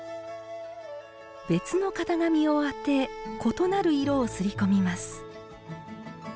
別の型紙を当て異なる色をすり込みます。